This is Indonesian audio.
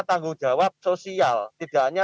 tanggung jawab sosial tidak hanya